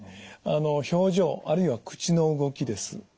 あの表情あるいは口の動きです。